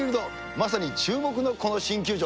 まさに注目のこの新球場。